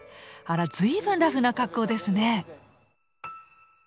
あら随分ラフな格好ですね。